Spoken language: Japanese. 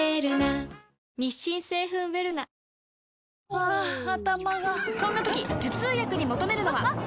ハァ頭がそんな時頭痛薬に求めるのは？